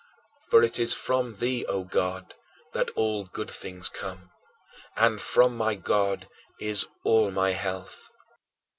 For it is from thee, O God, that all good things come and from my God is all my health.